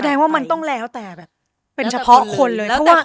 แสดงว่ามันต้องแล้วแต่แบบเป็นเฉพาะคนเลย